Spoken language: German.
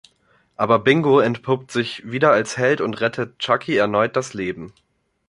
Aber Bingo entpuppt sich wieder als Held und rettet Chuckie erneut das Leben.